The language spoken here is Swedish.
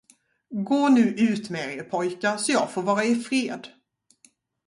Gå nu ut mer er, pojkar, så jag får vara i fred.